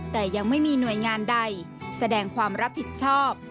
แต่ยังไม่มีหน่วยงานใดแสดงความรับผิดชอบ